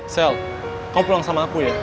self kamu pulang sama aku ya